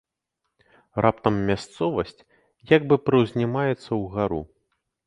Раптам мясцовасць як бы прыўзнімаецца ўгару.